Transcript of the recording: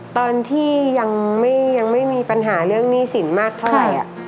ตอนที่ยังไม่มีปัญหาเรื่องหนี้สินมากเท่าไหร่